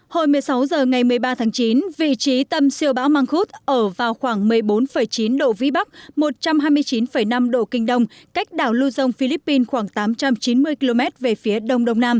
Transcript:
hồi một mươi sáu h ngày một mươi ba tháng chín vị trí tâm siêu bão măng khuất ở vào khoảng một mươi bốn chín độ vĩ bắc một trăm hai mươi chín năm độ kinh đông cách đảo lưu dông philippines khoảng tám trăm chín mươi km về phía đông đông nam